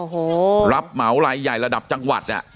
โอ้โหรับเหมารายใหญ่ระดับจังหวัดอ่ะ